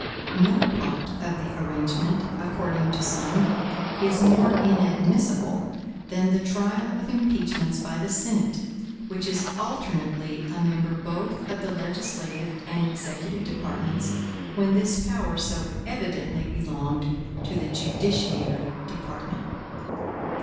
No part of the arrangement, according to some, is more inadmissible than the trial of impeachments by the Senate, which is alternately a member both of the legislative and executive departments, when this power so evidently belonged to the judiciary department.